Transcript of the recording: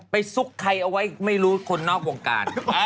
ซุกใครเอาไว้ไม่รู้คนนอกวงการ